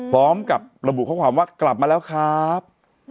พร้อมกับระบุข้อความว่ากลับมาแล้วครับ